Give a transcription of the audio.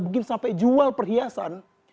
mungkin sampai jual perhiasan